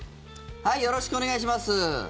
よろしくお願いします。